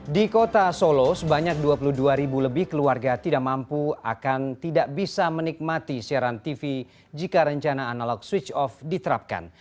di kota solo sebanyak dua puluh dua ribu lebih keluarga tidak mampu akan tidak bisa menikmati siaran tv jika rencana analog switch off diterapkan